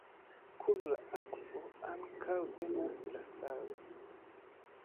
Kun la akvo ankaŭ venas la salo.